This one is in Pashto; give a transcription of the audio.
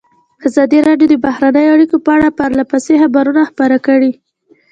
ازادي راډیو د بهرنۍ اړیکې په اړه پرله پسې خبرونه خپاره کړي.